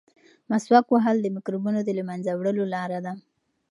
مسواک وهل د مکروبونو د له منځه وړلو لاره ده.